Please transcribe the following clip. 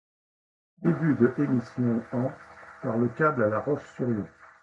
Début de émissions en par le câble à La Roche-sur-Yon.